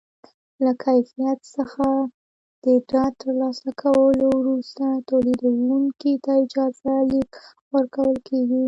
له کیفیت څخه د ډاډ ترلاسه کولو وروسته تولیدوونکي ته اجازه لیک ورکول کېږي.